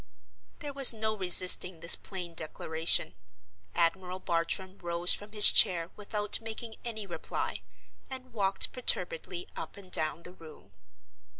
There was no resisting this plain declaration. Admiral Bartram rose from his chair without making any reply, and walked perturbedly up and down the room.